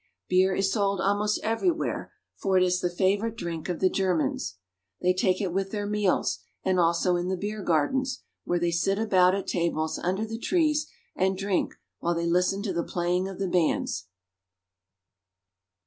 Beer is sold almost everywhere, for it is the favorite drink of the Germans. They take it with their meals, and also in the beer gardens, where they sit about at tables under the trees and drink while they listen to the playing of the bands.